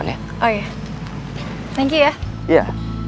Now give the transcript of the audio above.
ini dia ya